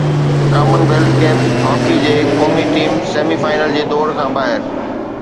common wealth games hockey جي قومي team semi final جي دوڑ کان ٻاهر